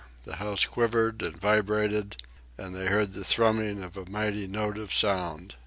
The house quivered and vibrated, and they heard the thrumming of a mighty note of sound.